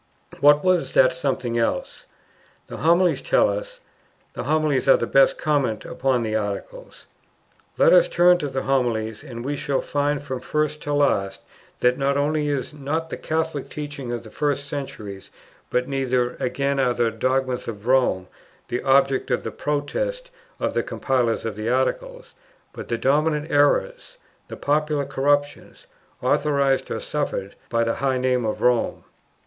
What was that something else? The Homilies tell us: the Homilies are the best comment upon the Articles. Let us turn to the Homilies, and we shall find from first to last that, not only is not the Catholic teaching of the first centuries, but neither again are the dogmas of Rome, the objects of the protest of the compilers of the Articles, but the dominant errors, the popular corruptions, authorized or suffered by the high name of Rome.